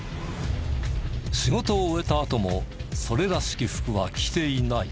仕事を終えたあともそれらしき服は着ていない。